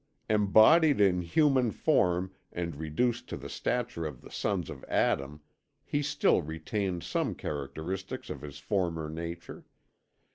Embodied in human form and reduced to the stature of the sons of Adam, he still retained some characteristics of his former nature.